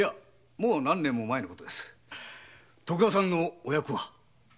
徳田さんのお役は？